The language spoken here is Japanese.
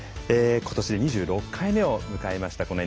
今年で２６回目を迎えました